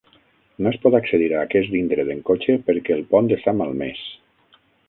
No es pot accedir a aquest indret en cotxe perquè el pont està malmès.